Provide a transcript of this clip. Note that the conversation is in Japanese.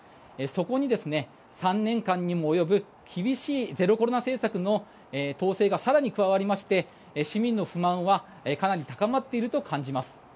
そこに３年間にも及ぶ厳しいゼロコロナ政策の統制が更に加わりまして市民の不満はかなり高まっていると感じます。